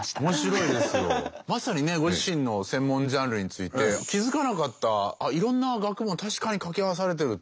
まさにねご自身の専門ジャンルについて気付かなかったいろんな学問確かにかけ合わされてるっていうね。